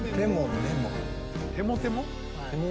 「テモテモ」？